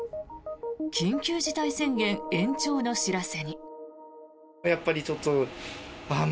緊急事態宣言延長の知らせに。